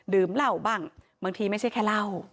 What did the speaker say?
เหล้าบ้างบางทีไม่ใช่แค่เหล้า